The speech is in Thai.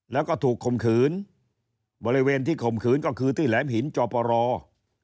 แล้วก็ถูกข่มขืนบริเวณที่ข่มขืนก็คือที่แหลมหินจอปร